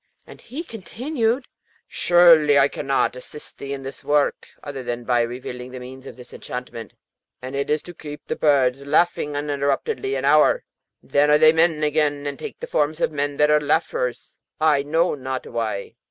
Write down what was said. And he continued, 'Surely I cannot assist thee in this work other than by revealing the means of disenchantment, and it is to keep the birds laughing uninterruptedly an hour; then are they men again, and take the forms of men that are laughers I know not why.'